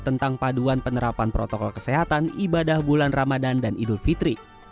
tentang paduan penerapan protokol kesehatan ibadah bulan ramadan dan idul fitri